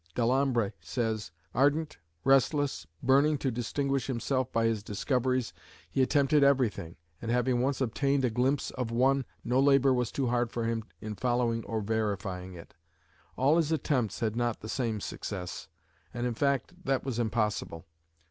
Delambre says, "Ardent, restless, burning to distinguish himself by his discoveries he attempted everything, and having once obtained a glimpse of one, no labour was too hard for him in following or verifying it. All his attempts had not the same success, and in fact that was impossible.